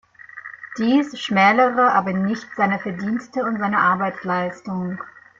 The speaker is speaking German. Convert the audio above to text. Dies schmälere aber nicht seine Verdienste und seine Arbeitsleistung.